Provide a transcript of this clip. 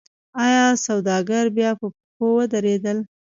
آیا سوداګر بیا په پښو ودرېدل؟